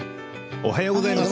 おはようございます。